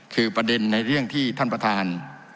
คือประเด็นในเรื่องที่ท่านประธาน